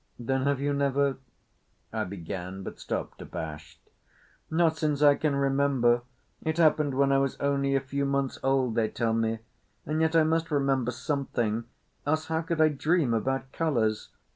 "Then have you never— ?" I began, but stopped abashed. "Not since I can remember. It happened when I was only a few months old, they tell me. And yet I must remember something, else how could I dream about colours.